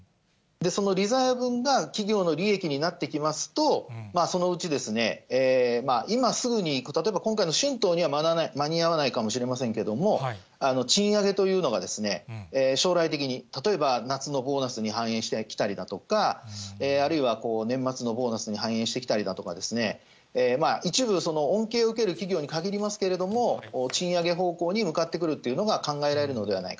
その利ざや分が企業の利益になってきますと、そのうち、今すぐに、例えば、今回の春闘には間に合わないかもしれませんけれども、賃上げというのが将来的に、例えば夏のボーナスに反映してきたりだとか、あるいは年末のボーナスに反映してきたりだとか、一部、その恩恵を受ける企業に限りますけれども、賃上げ方向に向かってくるというのが、考えられるのではないか。